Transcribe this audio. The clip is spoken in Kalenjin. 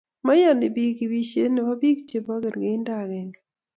Maiyoni biik ibishet nebo biik chebo kerkeindo agenge